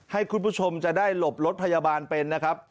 ให้คุณผู้ชมจะได้หลบรถพยาบาลเป็นนะครับ